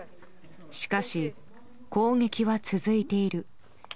しかし、攻撃は続いている。